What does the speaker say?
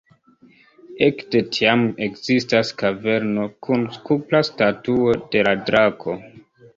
Ekde tiam ekzistas kaverno kun kupra statuo de la drako.